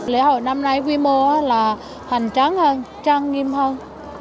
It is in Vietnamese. lễ hội năm nay quy mô là hoành tráng hơn trang nghiêm hơn